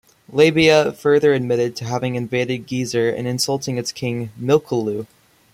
Labaya further admitted to having invaded Gezer and insulting its king Milkilu.